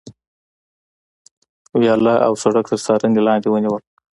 ویاله او سړک تر څارنې لاندې ونیول.